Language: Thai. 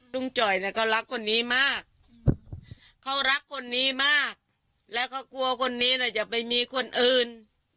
จ่อยก็รักคนนี้มากเขารักคนนี้มากและเขากลัวคนนี้จะไปมีคนอื่น